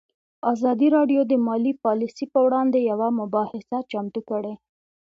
ازادي راډیو د مالي پالیسي پر وړاندې یوه مباحثه چمتو کړې.